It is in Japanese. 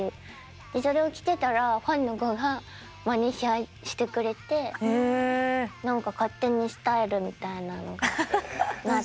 でそれを着てたらファンの子がまねしてくれて何か勝手にスタイルみたいなのがなって。